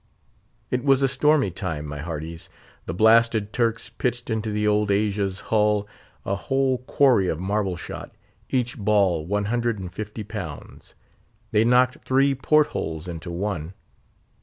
It was a stormy time, my hearties! The blasted Turks pitched into the old Asia's hull a whole quarry of marble shot, each ball one hundred and fifty pounds. They knocked three port holes into one.